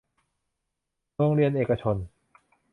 โรงเรียนเอกชน